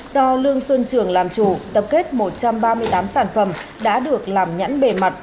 do lương xuân trường làm chủ tập kết một trăm ba mươi tám sản phẩm đã được làm nhãn bề mặt